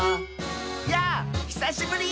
「やぁひさしぶり！」